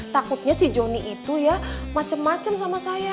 takutnya si joni itu ya macem macem sama saya